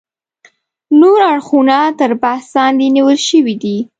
نور اړخونه تر بحث لاندې نیول شوي دي.